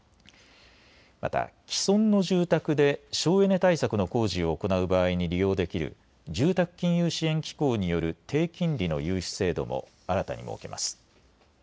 また既存の住宅で省エネ対策の工事を行う場合に利用できる住宅金融支援機構による低金利の融資制度も新たに設けます。